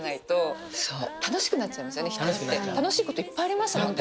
楽しいこといっぱいありますもんね。